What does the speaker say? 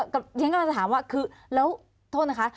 ก็อย่างนั้นจะถามว่าคือแล้วโทษนะคะ